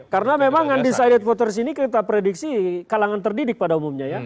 karena memang undecided voters ini kita prediksi kalangan terdidik pada umumnya ya